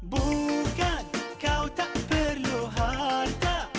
bukan kau tak perlu harta